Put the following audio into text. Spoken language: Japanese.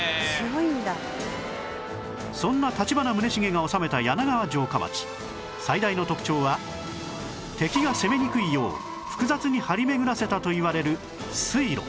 そんな立花宗茂が治めた柳川城下町最大の特徴は敵が攻めにくいよう複雑に張り巡らせたといわれる水路